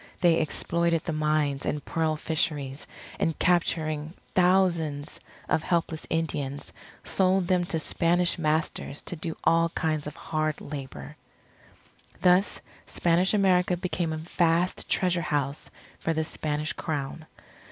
They exploited the mines and pearl fisheries, and, capturing thousands of helpless Indians, sold them to Spanish masters, to do all kinds of hard labour. Thus Spanish America became a vast treasure house for the Spanish Crown.